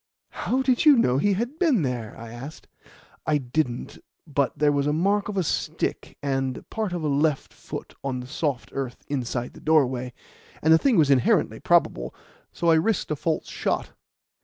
"How did you know he had been there?" I asked. "I didn't; but there was the mark of a stick and part of a left foot on the soft earth inside the doorway, and the thing was inherently probable, so I risked a false shot."